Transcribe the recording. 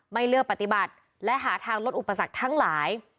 ไม่เลือกปฏิบัติและหาทางลดอุปสรรคทั้งหลาย